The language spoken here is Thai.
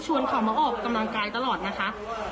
ชวนเขามาออกกำลังกายตลอดนะคะ